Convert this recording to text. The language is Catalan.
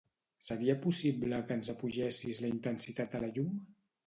Seria possible que ens apugessis la intensitat de la llum?